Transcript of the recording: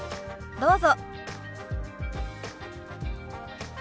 どうぞ。